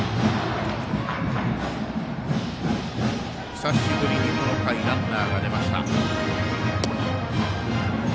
久しぶりに、この回ランナーが出ました。